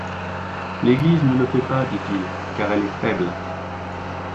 «L'Église ne le fait pas, dit-il, car elle est faible.